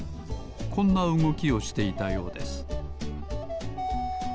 こんなうごきをしていたようです